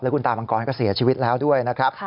คุณตามังกรก็เสียชีวิตแล้วด้วยนะครับ